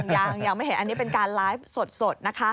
ยังไม่เห็นอันนี้เป็นการไลฟ์สดนะคะ